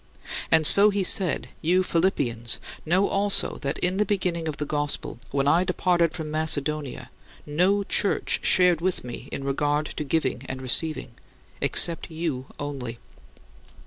And so he said, "You [Philippians] know also that in the beginning of the gospel, when I departed from Macedonia, no church shared with me in regard to giving and receiving, except you only.